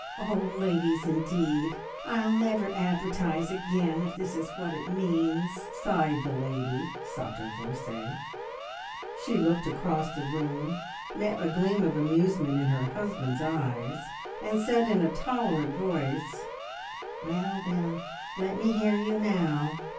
"Old ladies, indeed! I'll never advertise again if this is what it means!" sighed the lady sotto voce. She looked across the room, met a gleam of amusement in her husband's eyes, and said in a tolerant voice, "Well, then, let me hear you now!